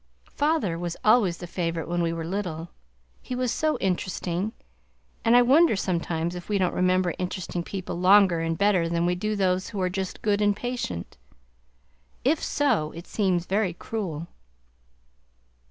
Father was always the favorite when we were little, he was so interesting, and I wonder sometimes if we don't remember interesting people longer and better than we do those who are just good and patient. If so it seems very cruel.